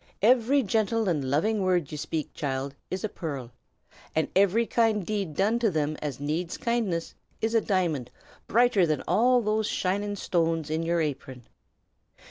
Every gentle and loving word ye speak, child, is a pearl; and every kind deed done to them as needs kindness, is a diamond brighter than all those shining stones in your apron.